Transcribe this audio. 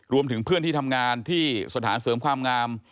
รวมถึงเพื่อนที่ทำงานที่สถานเสริมความงาม